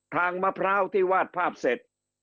มะพร้าวที่วาดภาพเสร็จ